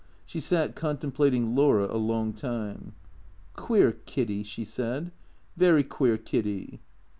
She sat contemplating Laura a long time. " Queer Kiddy," she said, " very queer Ividdy."